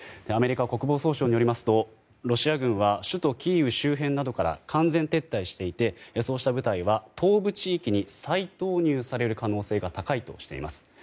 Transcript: アメリカ国防総省によりますとロシア軍は首都キーウ周辺などから完全撤退していてそういう部隊は東部地域に再投入される可能性が高いとしています。